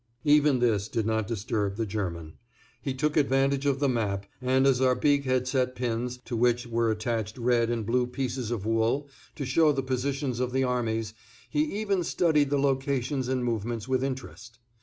_" Even this did not disturb the German. He took advantage of the map, and as Arbique had set pins, to which were attached red and blue pieces of wool, to show the positions of the armies, he even studied the locations and movements with interest.